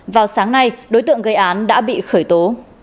vào sáng nay đối tượng gây án đã bị khởi tố